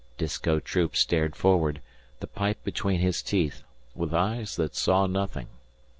Disko Troop stared forward, the pipe between his teeth, with eyes that saw nothing.